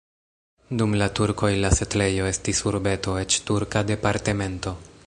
Dum la turkoj la setlejo estis urbeto, eĉ turka departemento.